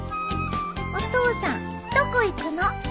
お父さんどこ行くの？